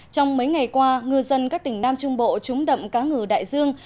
trong mấy ngày qua ngư dân các tỉnh nam trung bộ trúng đậm cá ngừ đại dương